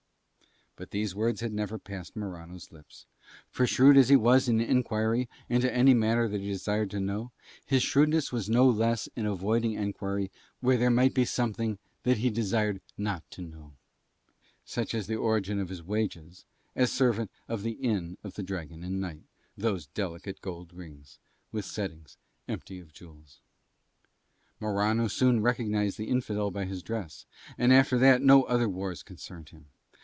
But these words had never passed Morano's lips, for shrewd as he was in enquiry into any matter that he desired to know, his shrewdness was no less in avoiding enquiry where there might be something that he desired not to know, such as the origin of his wages as servant of the Inn of the Dragon and Knight, those delicate gold rings with settings empty of jewels. Morano soon recognized the Infidel by his dress, and after that no other wars concerned him.